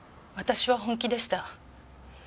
私は本気でした。